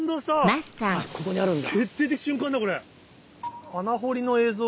マジここにあるんだ。